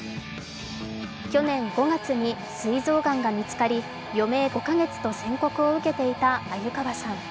去年５月にすい臓がんが見つかり余命５か月と宣告を受けていた鮎川さん。